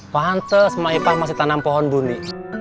pantes maipah masih tanam pohon buni